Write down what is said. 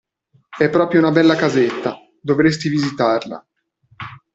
È proprio una bella casetta, dovresti visitarla.